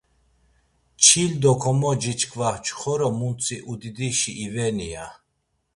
Çil do komoci çkva çxoro muntzi udidişi iveni? ya.